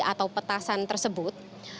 atau petasan tersebut